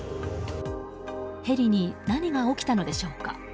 ヘリに何が起きたのでしょうか。